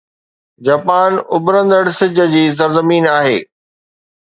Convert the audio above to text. Japan اڀرندڙ سج جي سرزمين آهي